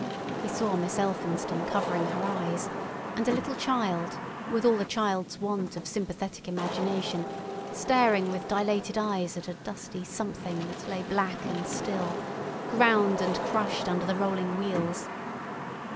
He saw Miss Elphinstone covering her eyes, and a little child, with all a child's want of sympathetic imagination, staring with dilated eyes at a dusty something that lay black and still, ground and crushed under the rolling wheels.